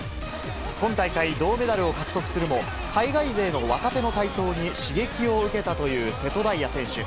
今大会、銅メダルを獲得するも、海外勢の若手の台頭に刺激を受けたという瀬戸大也選手。